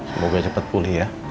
semoga cepat pulih ya